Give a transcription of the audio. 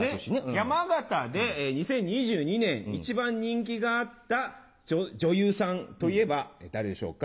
山形で２０２２年一番人気があった女優さんといえば誰でしょうか？